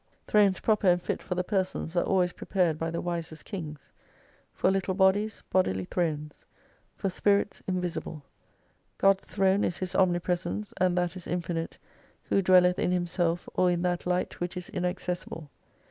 Thrones proper and fit for the persons, are always prepared by the wisest Kings. For little bodies, bodily thrones : for Spirits, invisible. God's Throne is His omnipresence, and that is infinite, who dwelleth in Himself, or in that Light which is inaccessible.